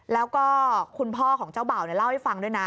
แล้วก็คุณพ่อของเจ้าบ่าวเล่าให้ฟังด้วยนะ